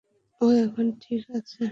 ও এখন ঠিক আছে।